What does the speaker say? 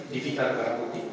di vita rewar muti